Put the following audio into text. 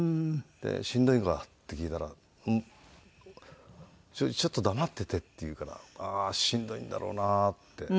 「しんどいんか？」って聞いたら「ちょっと黙ってて」って言うからああしんどいんだろうなって。